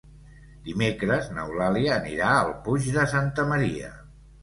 Dimecres n'Eulàlia anirà al Puig de Santa Maria.